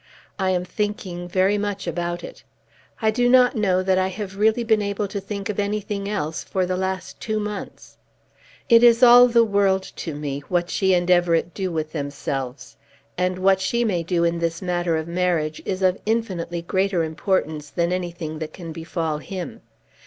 I am thinking very much about it. I do not know that I have really been able to think of anything else for the last two months. It is all the world to me, what she and Everett do with themselves; and what she may do in this matter of marriage is of infinitely greater importance than anything that can befall him.